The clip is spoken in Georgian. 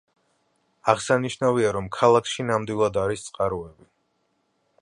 აღსანიშნავია, რომ ქალაქში ნამდვილად არის წყაროები.